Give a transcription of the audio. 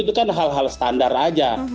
itu kan hal hal standar aja